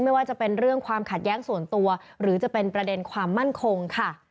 ไม่ว่าจะเป็นเรื่องความขัดแย้งส่วนตัวหรือจะเป็นประเด็นความมั่นคงค่ะ